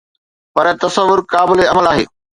پر تصور قابل عمل آهي